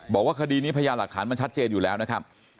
บอกว่าคดีนี้พยานหลักฐานมันชัดเจนอยู่แล้วนะครับ